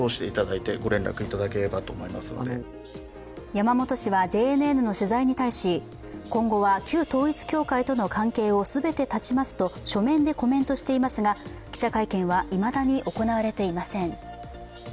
山本氏はＪＮＮの取材に対し、今後は旧統一教会との関係を全て断ちますと書面でコメントしていますが記者会見はいまだに行われていません。